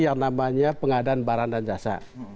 yang namanya pengadaan barang dan jasa